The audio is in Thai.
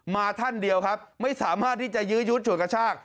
ท่านเดียวครับไม่สามารถที่จะยื้อยุดฉุดกระชาก